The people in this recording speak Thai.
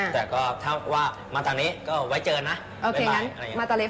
แต่ก็ถ้าว่ามาตั้งนี้ก็ไว้เจอนะบ๊ายบาย